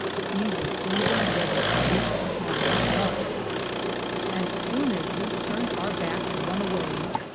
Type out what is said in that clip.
He was even Reddie to leape upon one of us. Assown as we turned our backe to run awaye.